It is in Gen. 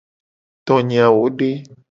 Tonye awo de?